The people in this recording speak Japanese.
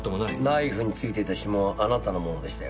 ナイフに付いてた指紋あなたのものでしたよ。